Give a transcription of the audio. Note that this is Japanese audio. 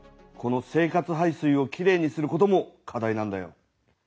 この生活排水をきれいにすることも課題なんだよ。